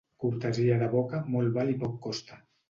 Cortesia de boca molt val i poc costa.